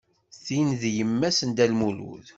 Tin d yemma-s n Dda Lmulud.